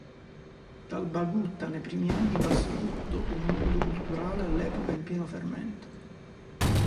Dal Bagutta, nei primi anni, passò tutto un mondo culturale all'epoca in pieno fermento.